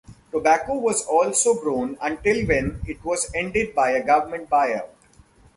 Tobacco was also grown until when it was ended by a Government buyout.